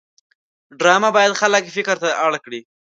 ډرامه باید خلک فکر ته اړ کړي